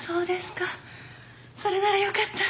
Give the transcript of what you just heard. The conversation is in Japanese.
それならよかった。